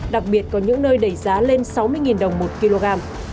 đặc biệt có những nơi đẩy giá lên sáu mươi đồng một kg